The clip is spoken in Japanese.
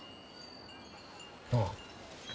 ああ。